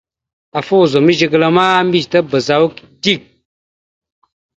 Afa ozum zigəla ma, mbiyez tabaz awak dik.